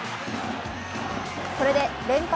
これで連敗